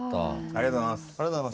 ありがとうございます。